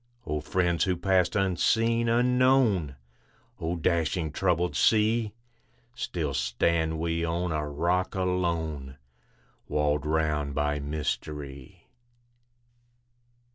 O friends who passed unseen, unknown! O dashing, troubled sea! Still stand we on a rock alone, Walled round by mystery.